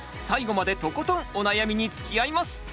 最後までとことんお悩みにつきあいます！